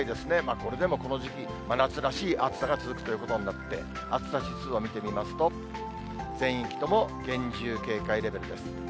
これでもこの時期、真夏らしい暑さが続くということになって、暑さ指数を見てみますと、全域とも厳重警戒レベルです。